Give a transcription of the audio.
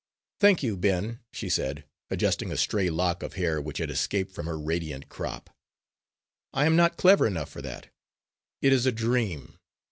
"Thank you, Ben," she said, adjusting a stray lock of hair which had escaped from her radiant crop, "I am not clever enough for that. It is a dream.